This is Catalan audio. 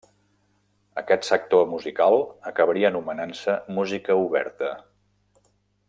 Aquest sector musical acabaria anomenant-se Música Oberta.